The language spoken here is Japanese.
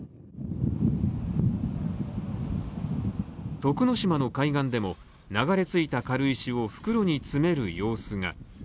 徳之島の海岸でも流れ着いた軽石を袋に詰める様子が。